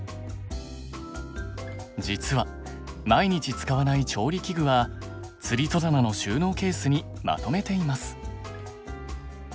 実は毎日使わない調理器具はつり戸棚の収納ケースにまとめています。